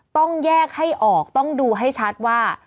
ต้องแยกให้ออกต้องดูให้ชัดว่า